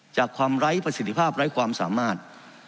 จากความไร้ประสิทธิภาพไร้ความสามารถ